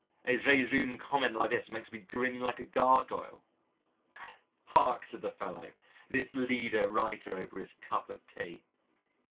A jejune comment like this makes me grin like a gargoyle! Hark to the fellow this leader writer over his cup of tea.